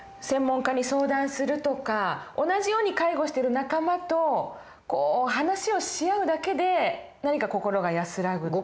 専門家に相談するとか同じように介護してる仲間と話をし合うだけで何か心が安らぐ。